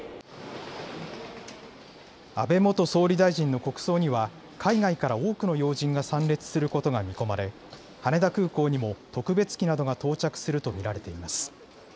安倍元総理大臣の国葬には海外から多くの要人が参列することが見込まれ羽田空港にも特別機などが到着すると見られています。